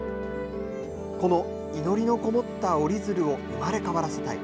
この祈りのこもった折り鶴を生まれ変わらせたい。